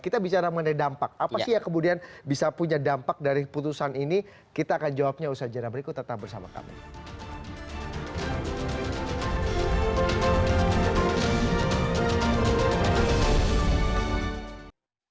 kita bicara mengenai dampak apa sih yang kemudian bisa punya dampak dari putusan ini kita akan jawabnya usaha jalan berikut tetap bersama kami